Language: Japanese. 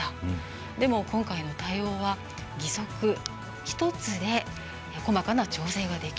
でも、今回の対応は義足１つで細かな調整ができる。